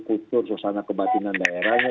kultur suasana kebatinan daerahnya